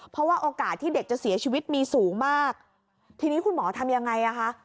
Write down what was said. เพราะว่าโอกาสที่เด็กจะเสียชีวิตมีสูงมากทีนี้คุณหมอทำยังไงอ่ะคะ